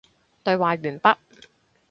對話完畢